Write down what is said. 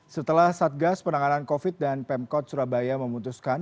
setelah satgas penanganan covid dan pemkot surabaya memutuskan